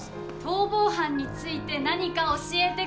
逃亡犯について何か教えて下さい。